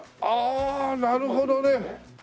ああなるほどね。